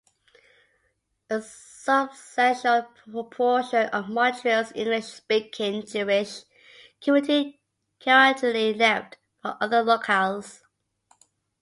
A substantial proportion of Montreal's English-speaking Jewish community gradually left for other locales.